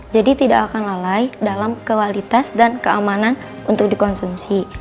jadi tidak akan lalai dalam kualitas dan keamanan untuk dikonsumsi